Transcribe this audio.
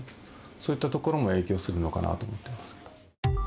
そういったところも影響するのかなと思ってます。